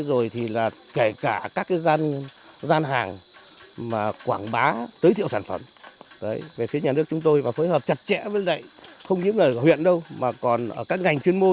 rồi thì là kể cả các cái gian hàng